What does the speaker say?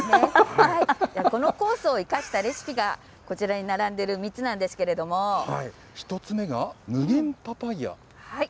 この酵素を生かしたレシピがこちらに並んでる３つなんですけ１つ目が無限パパイア。